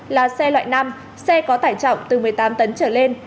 là xe loại năm xe có tải trọng